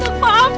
kamu jalan tega